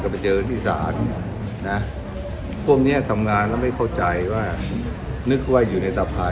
กันไปเจอที่สารนะผมเนี่ยทำงานแล้วไม่เข้าใจว่านึกว่าอยู่ในตรัสหา